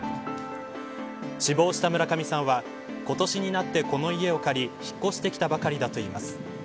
死亡した村上さんは今年になって、この家を借り引っ越してきたばかりだといいます。